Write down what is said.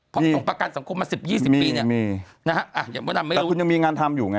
เขาส่งประกันสังคมมา๑๐๒๐ปีเนี่ยอ่ะมระดำไม่รู้ต่อไหนคุณยังมีงานทำกันอยู่ไง